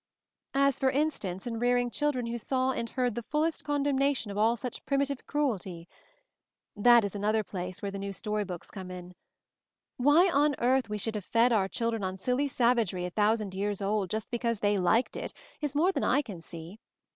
As for instance, in rearing children who saw and heard the fullest condemnation of all such primitive cruelty. That is another place where the new story books come in. Why on earth we should have fed our chil dren on silly savagery a thousand years old, just because they liked it, is more than I can see.